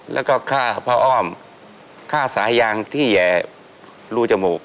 แล้วก็ค่าพระอ้อมค่าสายางที่รูจมูก